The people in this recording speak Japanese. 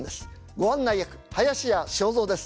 ご案内役林家正蔵です。